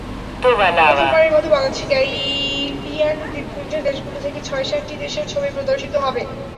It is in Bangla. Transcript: প্রথমবারের মতো বাংলাদেশে ক্যারিবিয়ান দ্বীপপুঞ্জের দেশগুলো থেকে ছয়-সাতটি দেশের ছবি প্রদর্শিত হবে।